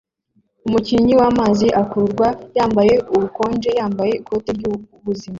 Umukinnyi wamazi akururwa yambaye ubukonje yambaye ikoti ryubuzima